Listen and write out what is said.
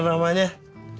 dapet dari mana tuh